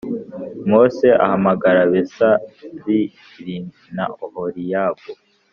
Mose ahamagara Besal li na Oholiyabu